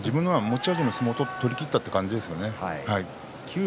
自分の持ち味の相撲を取りきったということですよね。